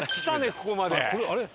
ここまで。